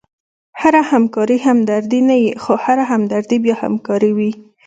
هره همکاري همدردي نه يي؛ خو هره همدردي بیا همکاري يي.